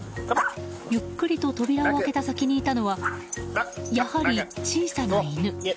ゆっくりと扉を開けた先にいたのはやはり小さな犬。